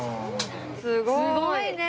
すごいね！